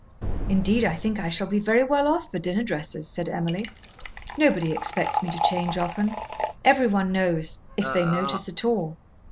"Indeed, I think I shall be very well off for dinner dresses," said Emily. "Nobody expects me to change often. Every one knows if they notice at all."